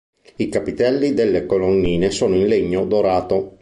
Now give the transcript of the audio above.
I capitelli delle colonnine sono in legno dorato.